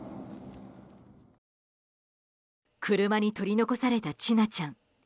車に取り残された千奈ちゃん。